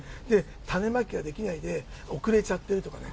種まきができないで遅れちゃってるとかね。